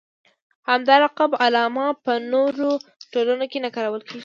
همدا لقب علامه په نورو ټولنو کې نه کارول کېږي.